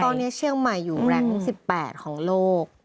ตอนนี้เชียงใหม่อยู่แล็ค๑๘ของโลก